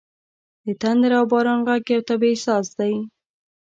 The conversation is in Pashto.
• د تندر او باران ږغ یو طبیعي ساز دی.